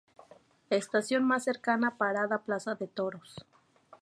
Estación más cercana parada plaza de Toros.